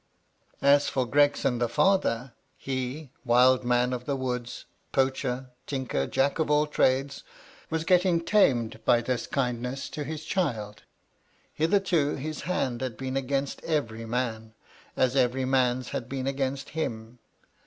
As for Gregson the father — he — wild man of the woods, poacher, tinker, jack of all trades — was getting tamed hy this kindness to his child. Hitherto his hand had been against every man, as every man's had been against him.